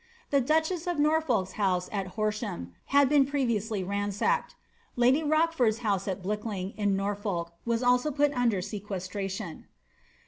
The duchess of Norfolk's house at Horsham had been previously ransacked. Lady Rochford's house at Blickling, in Norfolk, was also put under sequestration.